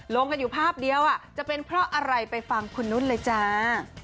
ลงกันอยู่ภาพเดียวจะเป็นเพราะอะไรไปฟังคุณนุ่นเลยจ้า